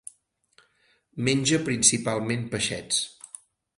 Menja principalment peixets.